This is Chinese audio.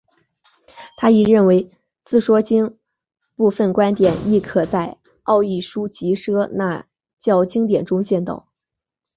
他亦认为自说经部份观点亦可在奥义书及耆那教经典中见到。